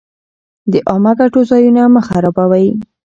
د عامه ګټو ځایونه مه خرابوئ.